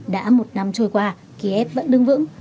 đã một năm trôi qua kiev vẫn đứng vững